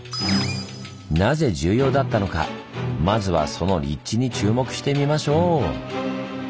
なぜ重要だったのかまずはその立地に注目してみましょう！